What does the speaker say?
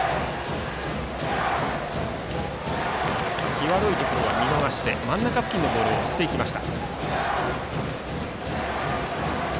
際どいところは見逃して真ん中付近のボールを振っていきました。